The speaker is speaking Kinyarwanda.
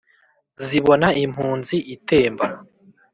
Zibona impunzi itemba.